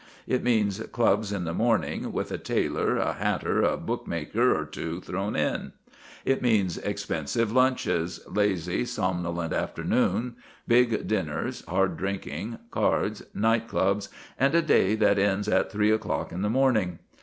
It means clubs in the morning, with a tailor, a hatter, a bookmaker or two, thrown in; it means expensive lunches, lazy, somnolent afternoons, big dinners, hard drinking, cards, night clubs, and a day that ends at three o'clock in the morning.